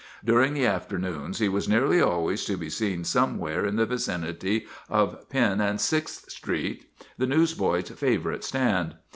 During the afternoons he was nearly 166 SPIDER OF THE NEWSIES always to be seen somewhere in the vicinity of Penn and Sixth Streets, the newsboys' favorite stand.